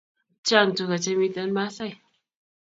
Chang tuka che miten maasai